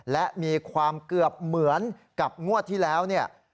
และมีความเกือบเหมือนกับงวดที่แล้วเนี่ย